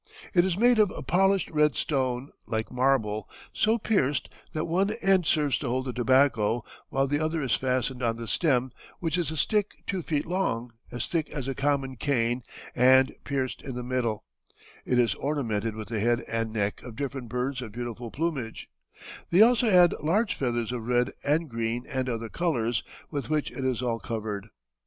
It is made of a polished red stone, like marble, so pierced that one end serves to hold the tobacco, while the other is fastened on the stem, which is a stick two feet long, as thick as a common cane, and pierced in the middle; it is ornamented with the head and neck of different birds of beautiful plumage; they also add large feathers of red and green and other colors, with which it is all covered.